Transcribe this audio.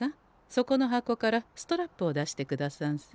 そこの箱からストラップを出してくださんせ。